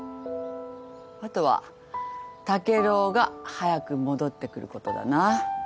あとは竹郎が早く戻ってくることだな。